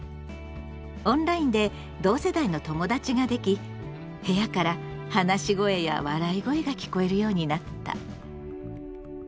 オンラインで同世代の友だちができ部屋から話し声や笑い声が聞こえるようになった。